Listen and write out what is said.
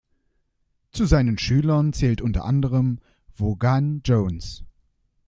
Zu seinen Schülern zählt unter anderem Vaughan Jones.